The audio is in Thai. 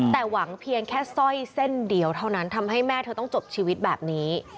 แต่หวังเพียงแค่สร้อยเส้นเดียวเท่านั้นทำให้แม่เธอต้องจบชีวิตแบบนี้